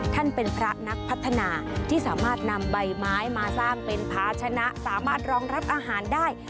ท่านเป็นพระนักพัฒนาที่สามารถนำใบไม้มาสร้างเป็นภาชนะสามารถรองรับอาหารได้